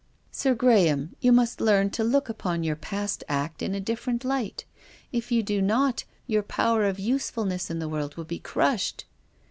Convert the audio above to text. " Sir Graham, you must learn to look upon your past act in a different light. If you do not, your power of usefulness in the world will be crushed."